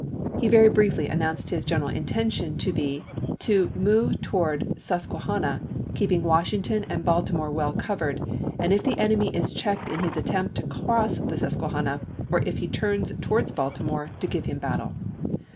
He very briefly announced his general intention to be to " move toward the Sus quehanna, keeping Washington and Baltimore well covered, and if the enemy is checked in his to Heai?eeck, attempt to cross the Susquehanna, or if he turns li8?3. ' towards Baltimore, to give him battle."